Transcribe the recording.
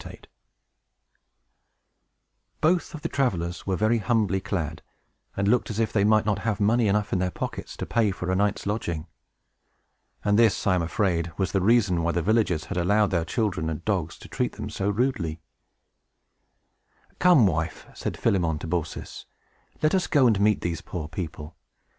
[Illustration: THE STRANGERS IN THE VILLAGE] Both of the travelers were very humbly clad, and looked as if they might not have money enough in their pockets to pay for a night's lodging. And this, I am afraid, was the reason why the villagers had allowed their children and dogs to treat them so rudely. "Come, wife," said Philemon to Baucis, "let us go and meet these poor people.